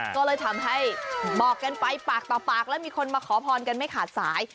ก็เลยทำให้บอกกันไปปากต่อปากแล้วมีคนมาขอพรกันไม่ขาดสาย